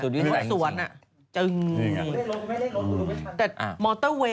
สุดวิสัยจริง